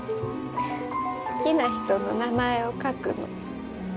好きな人の名前を書くの。